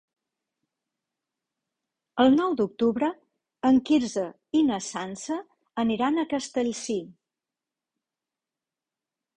El nou d'octubre en Quirze i na Sança aniran a Castellcir.